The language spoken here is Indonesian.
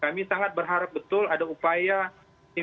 kami suka menjadi kesehatan yang aktif